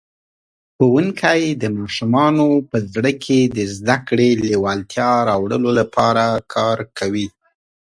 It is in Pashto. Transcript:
ښوونکی د ماشومانو په زړه کې د زده کړې لېوالتیا راوړلو لپاره کار کوي.